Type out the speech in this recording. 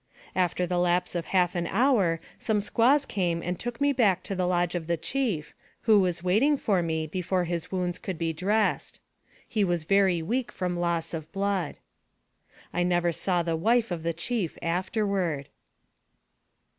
After the lapse of half an hour some squaws came and took me back to the lodge of the chief, who was waiting for me, before his wounds could be dressed. He was very weak from loss of blood. I never saw the wife of the chief afterward.